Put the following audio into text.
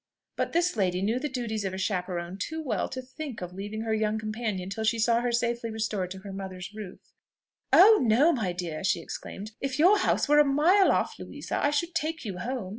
But this lady knew the duties of a chaperon too well to think of leaving her young companion till she saw her safely restored to her mother's roof. "Oh! no, my dear!" she exclaimed: "if your house were a mile off, Louisa, I should take you home."